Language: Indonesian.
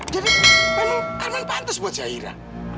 jadi memang arman pantes buat zahira